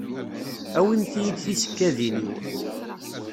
Awimt-yi-d tisekkadin-iw.